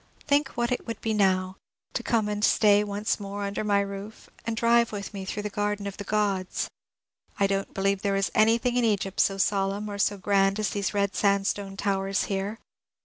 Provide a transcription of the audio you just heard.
Think what it would be now — to come and stay once more under my roof, and drive with me through the Garden of the Grods I I don't believe thero is anything in Egypt so solemn or so grand as these red sandstone towers here.